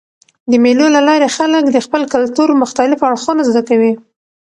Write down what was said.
د مېلو له لاري خلک د خپل کلتور مختلف اړخونه زده کوي.